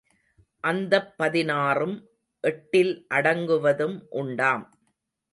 அந்தப் பதினாறும் எட்டில் அடங்குவதும் உண்டாம்.